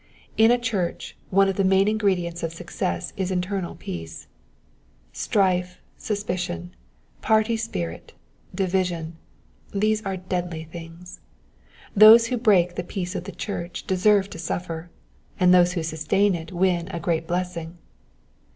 In a church one of the piain ingredients of success is internal peace : strife, suspicion, party spirit, division, — these are deadly things. Those who break the peace of the church deserve to suffer, and those who sustain it win a great blessing.